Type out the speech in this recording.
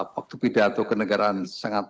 waktu pidato ke negara sangat